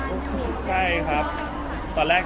พี่ชายค่ะช่วงนี้ก็ยังต้องขลับกันออกมาอยู่